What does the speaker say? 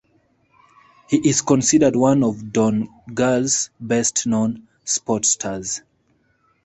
He is considered one of Donegal's best-known sportstars.